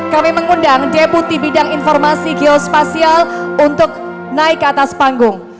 kami mengundang deputi bidang informasi geospasial untuk naik ke atas panggung